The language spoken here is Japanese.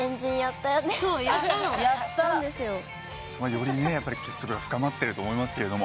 より結束が深まってると思います。